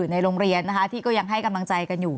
ในโรงเรียนนะคะที่ก็ยังให้กำลังใจกันอยู่